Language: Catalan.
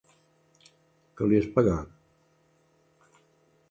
Que li has pegat?